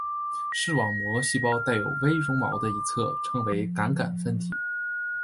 视网膜细胞带微绒毛的一侧称为感杆分体。